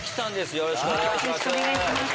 よろしくお願いします。